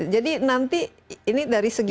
jadi nanti ini dari segi